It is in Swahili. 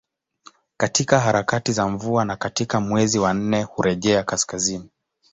Katika harakati za mvua na katika mwezi wa nne hurejea kaskazini